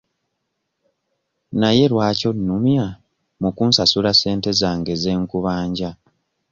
Naye lwaki onnumya mu kunsasula ssente zange ze nkubanja?